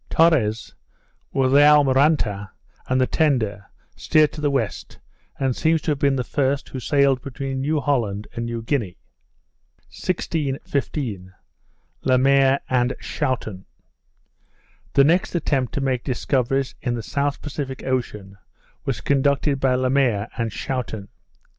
Torres, with the Almiranta and the tender, steered to the west, and seems to have been the first who sailed between New Holland and New Guinea. 1615. Le Maire and Schouten The next attempt to make discoveries in the South Pacific Ocean, was conducted by Le Maire and Schouten.